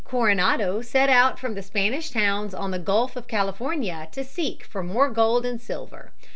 In 1540 Coronado set out from the Spanish towns on the Gulf of California to seek for more gold and silver.